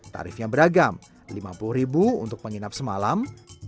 tarifnya beragam lima puluh ribu untuk penginap semalam